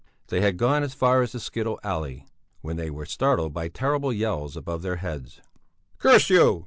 They had gone as far as the skittle alley, when they were startled by terrible yells above their heads. "Curse you!"